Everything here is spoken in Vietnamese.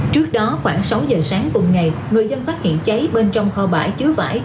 trước đó khoảng sáu giờ sáng cùng ngày người dân phát hiện cháy bên trong kho bãi chứa vải